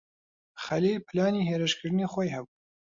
خەلیل پلانی هێرشکردنی خۆی هەبوو.